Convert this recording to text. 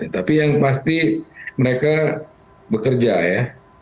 tapi yang pasti mereka bekerja ya